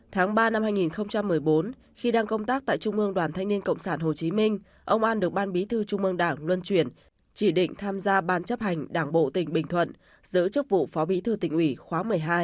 tháng ba năm hai nghìn một mươi bốn khi đang công tác tại trung ương đoàn thanh niên cộng sản hồ chí minh ông an được ban bí thư trung mương đảng luân chuyển chỉ định tham gia ban chấp hành đảng bộ tỉnh bình thuận giữ chức vụ phó bí thư tỉnh ủy khóa một mươi hai